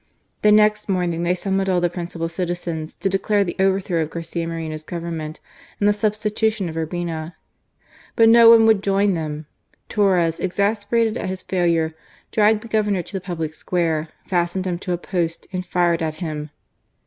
The next morning they summoned all the principal citizens to declare the overthrow of Garcia Moreno's Government and the substitution of Urbina. But no one would join them. Torres, exasperated at his failure, dragged the Governor to the public square, fastened him to a post, and fired at him.